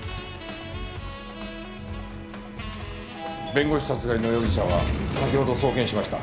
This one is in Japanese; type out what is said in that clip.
弁護士殺害の容疑者は先ほど送検しました。